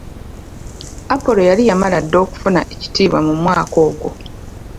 Apollo yali yamala dda okufuna ekitiibwa mu mwaka ogwo.